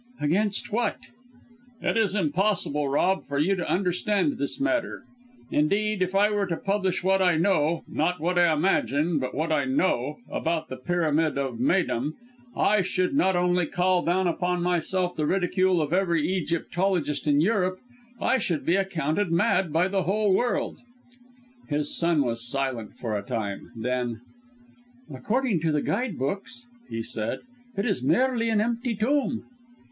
"Against what?" "It is impossible, Rob, for you to understand this matter. Indeed, if I were to publish what I know not what I imagine, but what I know about the Pyramid of Méydûm I should not only call down upon myself the ridicule of every Egyptologist in Europe; I should be accounted mad by the whole world." His son was silent for a time; then: "According to the guide books," he said, "it is merely an empty tomb."